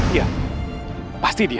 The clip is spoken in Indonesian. iya pasti dia